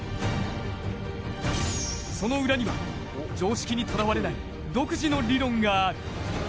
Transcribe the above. その裏には、常識にとらわれない独自の理論がある。